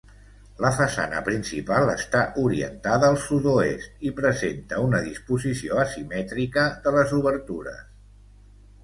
La façana principal està orientada al sud-oest i presenta una disposició asimètrica de les obertures.